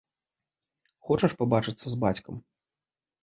Хочаш пабачыцца з бацькам?